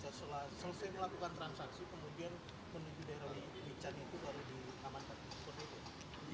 akhirnya bahwa tim sudah memintai ketika selesai melakukan transaksi kemudian menuju daerah wpg itu baru diamankan